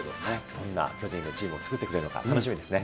どんな巨人のチームを作ってくれるのか、楽しみですね。